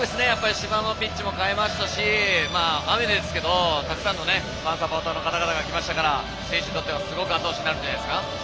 芝もピッチも替えましたし雨ですけどたくさんのファンサポーターの方々が来ましたから選手にとっては、すごくあと押しになるんじゃないですか。